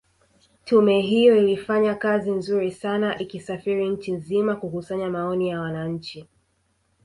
Tume hiyo ilifanya kazi nzuri sana ikisafiri nchi nzima kukusanya maoni ya wananchi